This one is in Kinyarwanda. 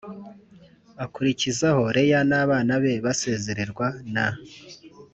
akurikizaho Leya n abana be basezererwa na